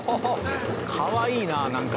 かわいいななんか。